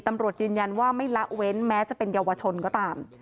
ตำรวจยืนยันว่าไม่ละเว้นแม้จะเป็นเยาวชนก็ตาม